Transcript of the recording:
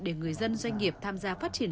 để người dân doanh nghiệp tham gia phát triển